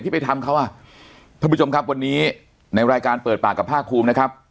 ผู้ชมครับวันนี้ในรายการเปิดปากกับภาครุมนะครับ